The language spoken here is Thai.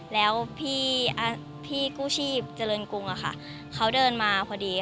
แล้วพี่กู้ชีพเจริญกรุงเขาเดินมาพอดี